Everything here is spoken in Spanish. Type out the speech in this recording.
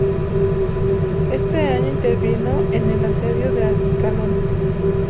Ese año intervino en el asedio de Ascalón.